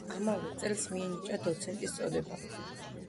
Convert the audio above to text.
ამავე წელს მიენიჭა დოცენტის წოდება.